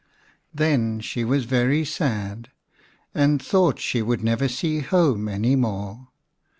Then she was very sad, and thought she would never see home any more.